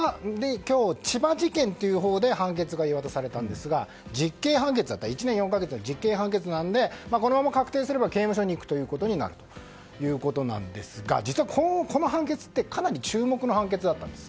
今日、千葉地検で判決が言い渡されたんですが１年４か月の実刑判決なのでこのまま確定すれば刑務所に行くということになるんですが実はこの判決ってかなり注目の判決だったんです。